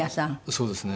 そうですね。